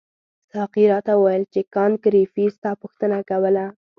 ساقي راته وویل چې کانت ګریفي ستا پوښتنه کوله.